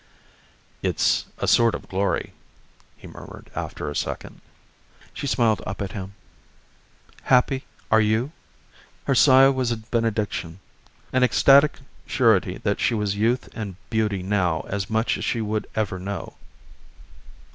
"It's a sort of glory," he murmured after a second. She smiled up at him. "Happy, are you?" Her sigh was a benediction an ecstatic surety that she was youth and beauty now as much as she would ever know.